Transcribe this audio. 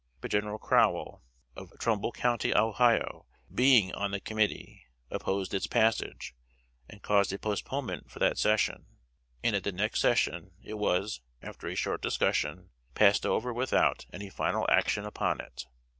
But General Crowell, of Trumbull County, Ohio, being on the committee, opposed its passage, and caused a postponement for that session; and at the next session it was, after a short discussion, passed over without any final action upon it.